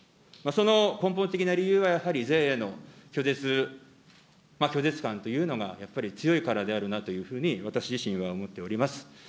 その根本的な理由は、やはり税への拒絶感というのがやっぱり強いからであるなというふうに、私自身は思っております。